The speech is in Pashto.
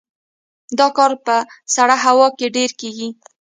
دا کار په سړه هوا کې ډیر کیږي